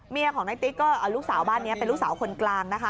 เมียของในติ๊กก็ลูกสาวบ้านนี้เป็นลูกสาวคนกลางนะคะ